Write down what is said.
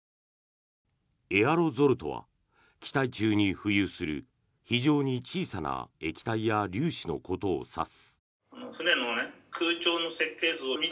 エアロゾルとは気体中に浮遊する非常に小さな液体や粒子のことを指す。